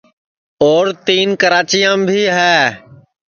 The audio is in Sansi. اور تین کراچیام بھی ہے